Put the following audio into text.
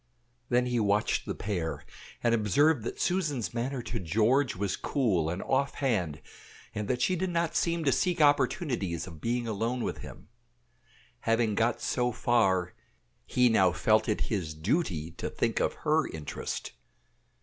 Then he watched the pair, and observed that Susan's manner to George was cool and off hand, and that she did not seem to seek opportunities of being alone with him. Having got so far, he now felt it his duty to think of her interest.